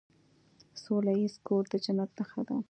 سوله ایز کور د جنت نښه ده.